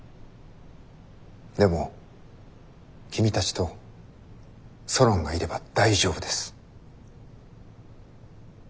でも君たちとソロンがいれば大丈夫です。